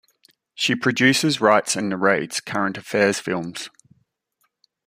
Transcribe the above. She produces, writes and narrates current affairs films.